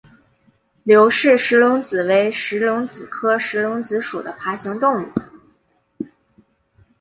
刘氏石龙子为石龙子科石龙子属的爬行动物。